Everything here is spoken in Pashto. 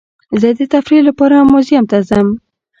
زه د تفریح لپاره میوزیم ته ځم.